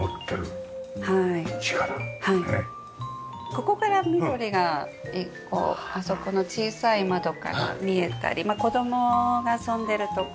ここから緑がこうあそこの小さい窓から見えたり子供が遊んでるところ見たり